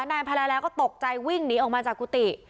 นายพาราแล้วก็ตกใจวิ่งหนีออกมาจากกุฏิ